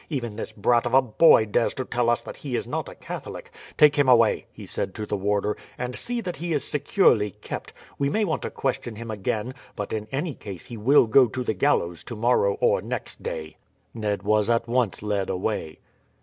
Even this brat of a boy dares to tell us that he is not a Catholic. Take him away," he said to the warder, "and see that he is securely kept. We may want to question him again; but in any case he will go to the gallows tomorrow or next day." Ned was at once led away.